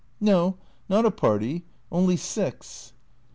" No, not a party. Only six."